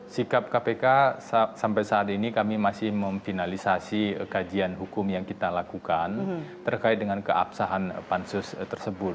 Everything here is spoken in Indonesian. sikap kpk sampai saat ini kami masih memfinalisasi kajian hukum yang kita lakukan terkait dengan keabsahan pansus tersebut